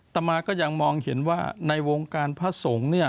ต่อมาก็ยังมองเห็นว่าในวงการพระสงฆ์เนี่ย